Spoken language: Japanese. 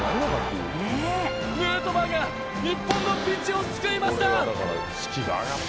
ヌートバーが日本のピンチを救いました！